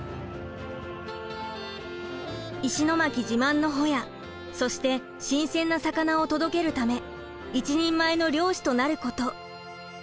石巻自慢のホヤそして新鮮な魚を届けるため一人前の漁師となること。